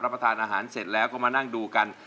ประทานอาหารเสร็จแล้วก็มานั่งดูกัน